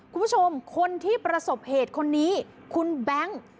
คุณผู้ชมคนที่ประสบเหตุคนนี้คุณแบงค์